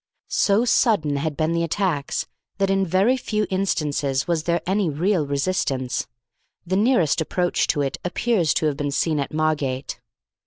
So sudden had been the attacks that in very few instances was there any real resistance. The nearest approach to it appears to have been seen at Margate.